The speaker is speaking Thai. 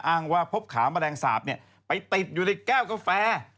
อ้างว่าพบขามะแรงสาบเนี่ยไปติดอยู่ในแก้วกาแฟ